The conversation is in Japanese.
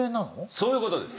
そういう事です。